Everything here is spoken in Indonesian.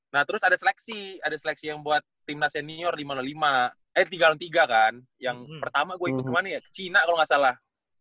nah terus ada seleksi ada seleksi yang buat timnas senior lima ratus lima eh tiga ratus tiga kan yang pertama gue ikut ke mana ya ke cina kalau nggak salah